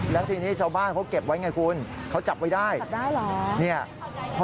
แล้วทีนี้ชาวบ้านเขาเก็บไว้ไงคุณเขาจับไว้ได้จับได้เหรอ